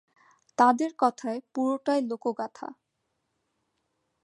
তাঁদের কথায়, পুরোটাই লোকগাথা।